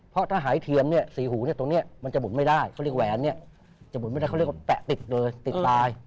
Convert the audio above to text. เพราะถ้าหายเทียมเนี่ยสี่หูเนี่ยตรงนี้มันจะหมุนไม่ได้เขาเรียกแหวนเนี่ยจะหุ่นไม่ได้เขาเรียกว่าแปะติดเลยติดตาย